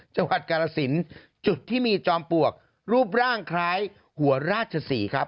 ชาวราชสินจุดที่มีจอมปวกรูปร่างคล้ายหัวราชสีครับ